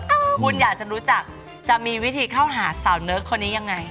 คุณอยากจะรู้จักจะมีวิธีเข้าหาสาวเนิร์กคนนี้ยังไง